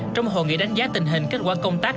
trong hội nghị đánh giá tình hình kết quả công tác